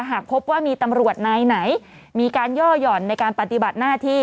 หากพบว่ามีตำรวจนายไหนมีการย่อหย่อนในการปฏิบัติหน้าที่